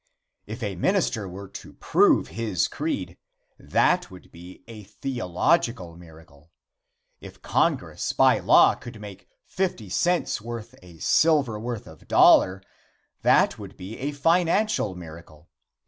If a minister were to prove his creed, that would be a theological miracle. If Congress by law would make fifty cents worth of silver worth a dollar, that would be a financial miracle.